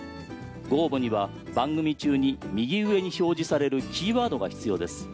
ご応募には、番組中に右上に表示されるキーワードが必要です。